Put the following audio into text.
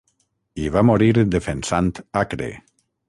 Hi va morir defensant Acre.